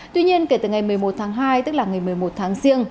tuy nhiên kể từ ngày một mươi một tháng hai tức là ngày một mươi một tháng riêng